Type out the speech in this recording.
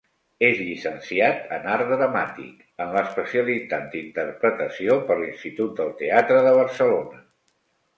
És llicenciat en Art Dramàtic en l'especialitat d'Interpretació per l'Institut del Teatre de Barcelona.